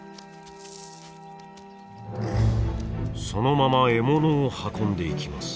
そのまま獲物を運んでいきます。